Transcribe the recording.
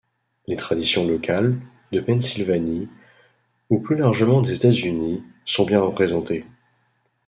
Les traditions locales, de Pennsylvanie, ou plus largement des États-Unis, sont bien représentées.